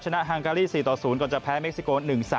ฮังการี๔ต่อ๐ก่อนจะแพ้เม็กซิโก๑๓